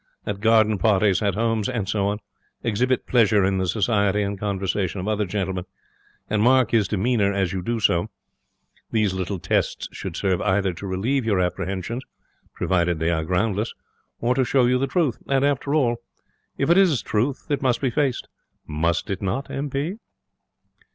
At garden parties, at homes, and so on, exhibit pleasure in the society and conversation of other gentlemen, and mark his demeanour as you do so. These little tests should serve either to relieve your apprehensions, provided they are groundless, or to show you the truth. And, after all, if it is the truth, it must be faced, must it not, M. P.?'